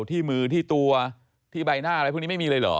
ที่มือที่ตัวที่ใบหน้าอะไรพวกนี้ไม่มีเลยเหรอ